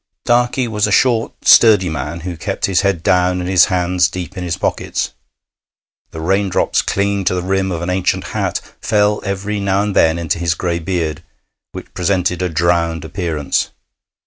Darkey was a short, sturdy man, who kept his head down and his hands deep in his pockets. The raindrops clinging to the rim of an ancient hat fell every now and then into his gray beard, which presented a drowned appearance.